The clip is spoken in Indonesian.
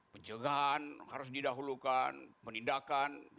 pencegahan harus didahulukan penindakan